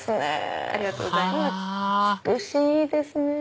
美しいですね！